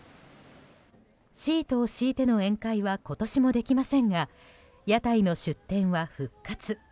シートを敷いての宴会は今年もできませんが屋台の出店は復活。